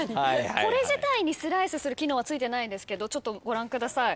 これ自体にスライスする機能はついてないんですけどちょっとご覧ください。